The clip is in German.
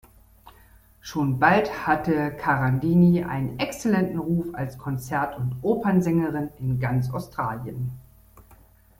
Schon bald hatte Carandini einen exzellenten Ruf als Konzert- und Opernsängerin in ganz Australien.